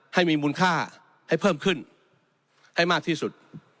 ให้มีมูลค่าให้เพิ่มขึ้นให้มากที่สุด